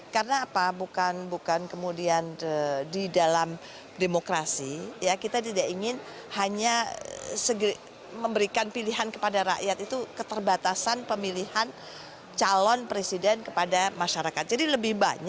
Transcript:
karena apa bukan kemudian di dalam demokrasi ya kita tidak ingin hanya memberikan pilihan kepada rakyat itu keterbatasan pemilihan